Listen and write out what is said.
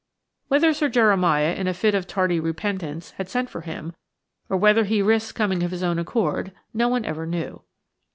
Whether Sir Jeremiah, in a fit of tardy repentance, had sent for him, or whether he risked coming of his own accord, no one ever knew.